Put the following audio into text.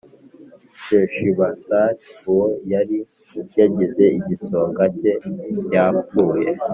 Sheshibasari uwo yari yagize igisonga cye yapfuye